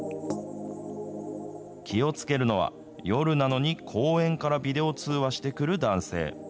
気をつけるのは、夜なのに公園からビデオ通話してくる男性。